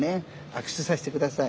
握手さして下さい。